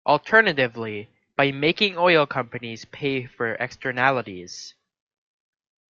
Alternatively, by making oil companies pay for externalities.